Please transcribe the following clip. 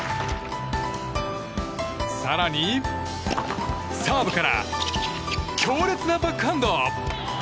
更にサーブから強烈なバックハンド！